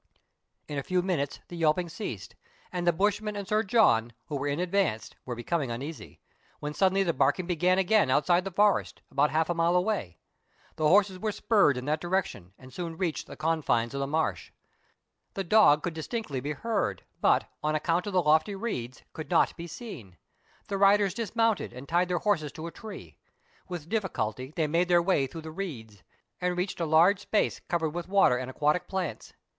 In a few minutes the yelping ceased, and the bushman and Sir John, who were in advance, were becoming uneasy, when suddenly the barking began again outside the forest, about half a mile away. The horses were spurred in that direction, and soon reached the confines of the marsh. The dog could distinctly be heard, but, on account of the lofty reeds, could not be seen. The riders dismounted, and tied their horses to a tree. With difficulty they made their way through the reeds, and reached a large space covered with water and aquatic plants.